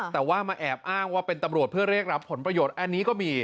แต่ว่ามาแอบอ้างว่าเป็นตำรวจเพื่อเรียกรับผลประโยชน์อันนี้ก็มี